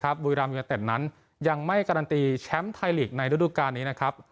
บุรีรามยูเนเต็ดนั้นยังไม่การันตีแชมป์ไทยลีกในฤดูการนี้นะครับ